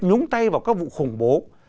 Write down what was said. nhúng tay vào các vụ khủng bố